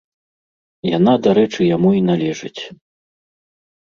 Яна, дарэчы, яму і належыць.